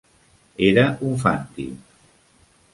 Era un Fanti.